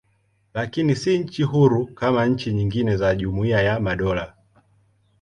Lakini si nchi huru kama nchi nyingine za Jumuiya ya Madola.